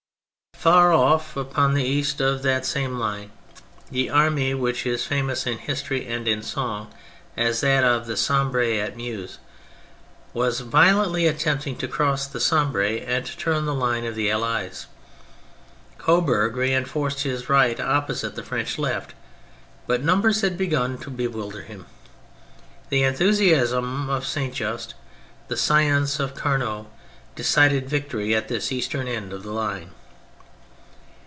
Far off, upon the east of that same line, the army which is famous in history and in song as that of the Sambre et Meuse was violently attempting to cross the Sambre and to turn the line of the Allies. Coburg rein forced his right opposite the French left, but numbers had begun to bewilder him. The enthusiasm of Saint Just, the science of Carnot, decided victory at this eastern end of the line.